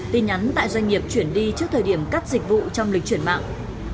tin nhắn tại doanh nghiệp chuyển đi trước thời điểm cắt dịch vụ trong lịch chuyển mạng